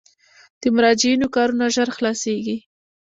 د مراجعینو کارونه ژر خلاصیږي؟